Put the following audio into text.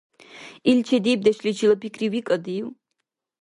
Ил чедибдешличила пикривикӏадив?